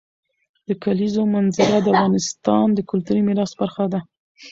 د کلیزو منظره د افغانستان د کلتوري میراث برخه ده.